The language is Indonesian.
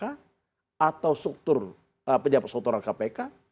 atau penjabat struktural kpk